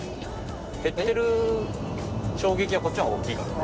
減ってる衝撃はこっちのほうが大きいから。